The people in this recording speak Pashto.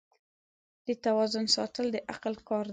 د توازن ساتل د عقل کار دی.